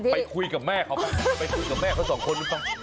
ไปคุยกับแม่เขาไปคุยกับแม่เขาสองคน